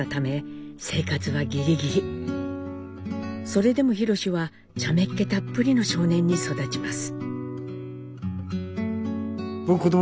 それでも弘史はちゃめっ気たっぷりの少年に育ちます。